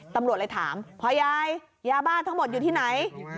ตำรวจเลยถามพ่อยายยาบ้าทั้งหมดอยู่ที่ไหน